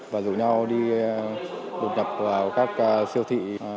và rủ nhau đi đột nhập vào các siêu thị